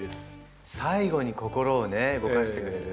最後に心を動かしてくれる。